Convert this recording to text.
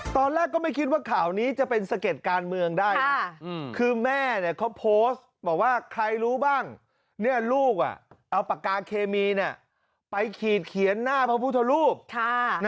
ตอนแรกก็ไม่คิดว่าข่าวนี้จะเป็นสะเก็ดการเมืองได้นะคือแม่เขาโพสต์บอกว่าใครรู้บ้างลูกเอาปากกาเคมีไปขีดเขียนหน้าพระพุทธรูป